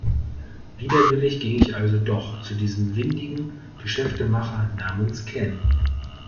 Widerwillig ging ich also doch zu diesem windigen Geschäftemacher namens Ken.